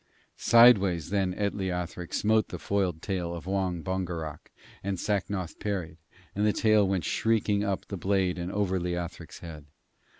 Sideways then at Leothric smote the foiled tail of Wong Bongerok, and Sacnoth parried, and the tail went shrieking up the blade and over Leothric's head.